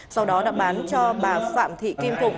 sau đó đã bán cho bà phạm thị kim phụng